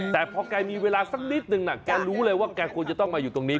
แต่พอแกมีเวลาสักนิดนึงนะแกรู้เลยว่าแกควรจะต้องมาอยู่ตรงนี้